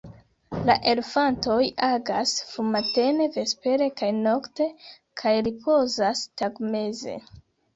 La elefantoj agas frumatene, vespere kaj nokte kaj ripozas tagmeze.